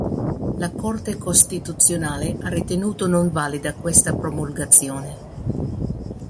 La Corte Costituzionale ha ritenuto non valida questa promulgazione.